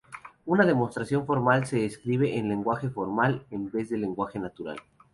Una demostración formal se escribe en lenguaje formal en vez de lenguaje natural.